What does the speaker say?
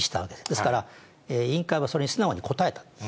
ですから、委員会はそれに素直に応えた。